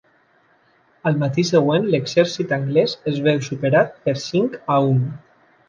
Al matí següent, l'Exèrcit anglès es veu superar per cinc a un.